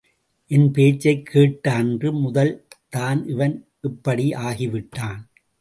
என்பேச்சைக் கேட்ட அன்று முதல்தான் இவன் இப்படி ஆகிவிட்டான்.